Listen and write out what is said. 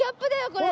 これ。